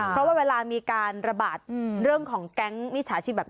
เพราะว่าเวลามีการระบาดเรื่องของแก๊งมิจฉาชีพแบบนี้